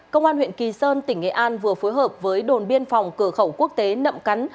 công an huyện kỳ sơn tỉnh nghệ an vừa phối hợp với đồn biên phòng cửa khẩu quốc tế nậm cắn